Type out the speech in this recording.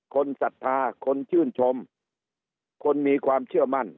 ศรัทธาคนชื่นชมคนมีความเชื่อมั่น